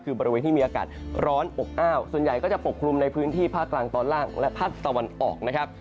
คือบริเวณที่มีอากาศร้อนอบอ้าวส่วนใหญ่ก็จะปกคลุมในพื้นที่ภาคกลางตอนล่างและภาคตะวันออกนะครับ